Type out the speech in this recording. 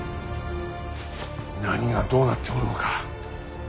何がどうなっておるのか。